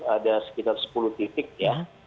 ada sekitar sepuluh titik ya